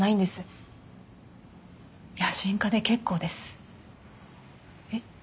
野心家で結構です。え？